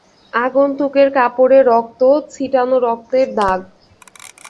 আগন্তুকের কাপড়ে রক্ত, ছিটানো রক্তের দাগ।